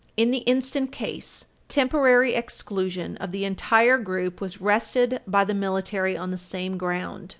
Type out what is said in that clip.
In the instant case, temporary exclusion of the entire group was rested by the military on the same ground.